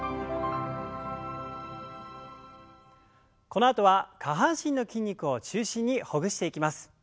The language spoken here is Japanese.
このあとは下半身の筋肉を中心にほぐしていきます。